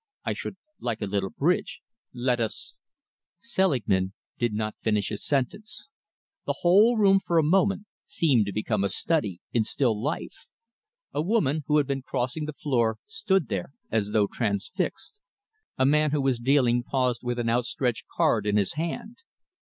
I should like a little bridge. Let us " Selingman did not finish his sentence. The whole room, for a moment, seemed to become a study in still life. A woman who had been crossing the floor stood there as though transfixed. A man who was dealing paused with an outstretched card in his hand.